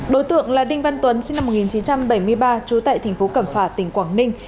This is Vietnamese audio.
đối tượng là đinh văn tuấn sinh năm một nghìn chín trăm bảy mươi ba trú tại thành phố cẩm phả tỉnh quảng ninh